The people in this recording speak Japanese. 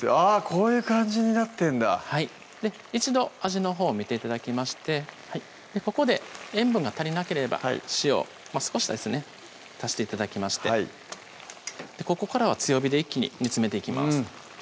こういう感じになってんだ一度味のほう見て頂きましてここで塩分が足りなければ塩少しですね足して頂きましてここからは強火で一気に煮詰めていきます